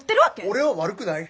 俺は悪くない。